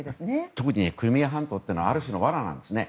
特に、クリミア半島はある種の罠なんですね。